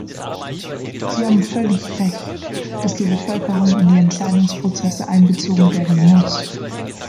Sie haben völlig recht, dass die Bevölkerung in die Entscheidungsprozesse einbezogen werden muss.